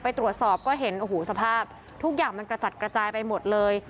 ไปตรวจสอบก็เห็นโอ้โหสภาพทุกอย่างมันกระจัดกระจายไปหมดเลย